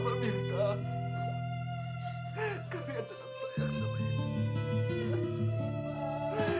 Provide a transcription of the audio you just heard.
meminta kalian tetap sayang sama ibu